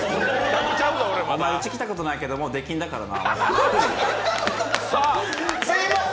うち来たことないけど、もう出禁だからな。